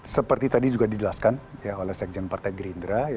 seperti tadi juga dijelaskan oleh sekjen partai gerindra